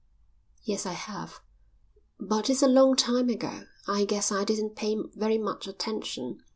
"Yes, I have. But it's a long time ago. I guess I didn't pay very much attention."